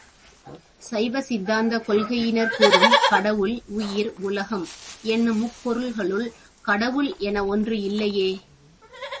சைவ சித்தாந்தக் கொள்கையினர் கூறும் கடவுள், உயிர், உலகம் என்னும் முப்பொருள்களுள் கடவுள் என ஒன்று இல்லையே!